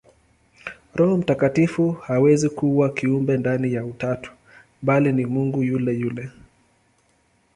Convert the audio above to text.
Roho Mtakatifu hawezi kuwa kiumbe ndani ya Utatu, bali ni Mungu yule yule.